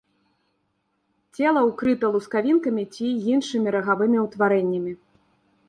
Цела ўкрыта лускавінкамі ці іншымі рагавымі ўтварэннямі.